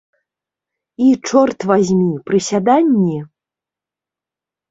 І, чорт вазьмі, прысяданні?